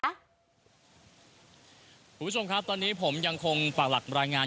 คุณผู้ชมครับตอนนี้ผมยังคงปากหลักรายงาน